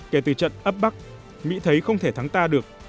kể từ trận ấp bắc mỹ thấy không thể thắng ta được